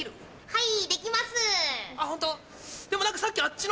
はい。